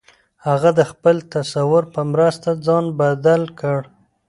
هغه د خپل تصور په مرسته ځان بدل کړ